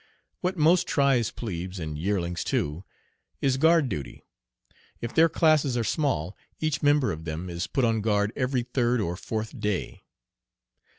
What most tries plebes, and yearlings, too, is guard duty. If their classes are small, each member of them is put on guard every third or fourth day.